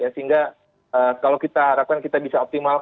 sehingga kalau kita harapkan kita bisa optimalkan